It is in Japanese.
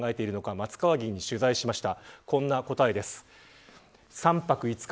松川議員に取材しました。